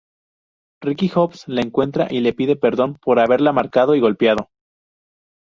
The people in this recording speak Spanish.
Ricky Hobbs la encuentra y le pide perdón por haberla marcado y golpeado.